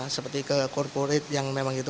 seperti ke corporate yang memang itu